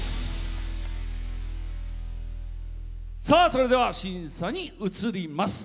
それでは審査に移ります。